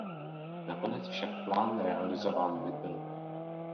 Nakonec však plán realizován nebyl.